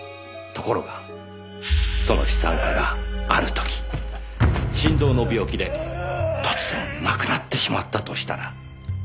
ところがその資産家がある時心臓の病気で突然亡くなってしまったとしたら。